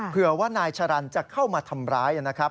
เผื่อว่านายชะรันจะเข้ามาทำร้ายนะครับ